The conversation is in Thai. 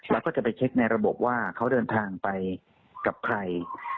แล้วก็จะไปเช็คในระบบว่าเขาเดินทางไปกับใคร